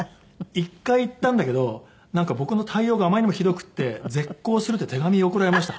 一回行ったんだけどなんか僕の対応があまりにもひどくて絶交するって手紙を送られました。